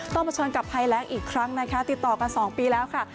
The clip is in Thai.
เผชิญกับภัยแรงอีกครั้งนะคะติดต่อกัน๒ปีแล้วค่ะ